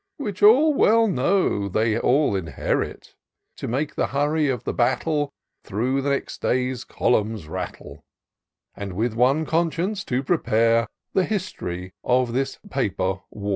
Which all well know they all inherit, To make the hurry of the battle Through all the next day's columns rattle ; And, with one conscience, to prepare The hist'ry of this paper war.